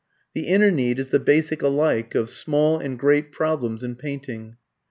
The inner need is the basic alike of small and great problems in painting.